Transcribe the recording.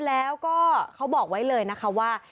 แล้วก็เขาบอกไว้เลยนะคะว่า